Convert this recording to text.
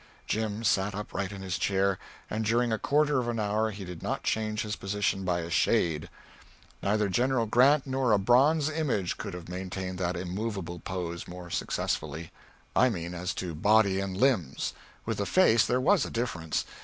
Jim sat upright in his chair, and during a quarter of an hour he did not change his position by a shade neither General Grant nor a bronze image could have maintained that immovable pose more successfully. I mean as to body and limbs; with the face there was a difference.